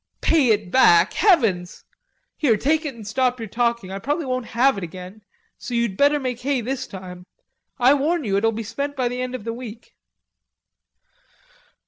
"Pay it back heavens!... Here take it and stop your talking. I probably won't have it again, so you'd better make hay this time. I warn you it'll be spent by the end of the week."